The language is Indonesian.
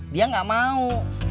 dia gak mau